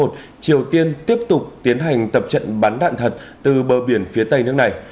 triều tiên tiếp tục tiến hành tập trận bắn đạn thật từ bờ biển phía tây nước này